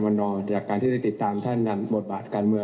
ผมคิดว่าที่๑ก็คือได้ทำงานรวบกันแล้ว